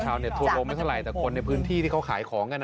ทัวร์ลงไม่เท่าไหร่แต่คนในพื้นที่ที่เขาขายของกัน